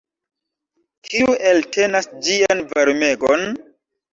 Kiu eltenas ĝian varmegon?